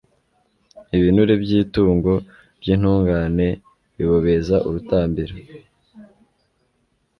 ibinure by'itungo ry'intungane bibobeza urutambiro